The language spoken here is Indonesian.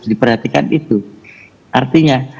diperhatikan itu artinya